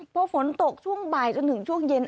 พอฝนตกช่วงบ่ายจนถึงช่วงเย็น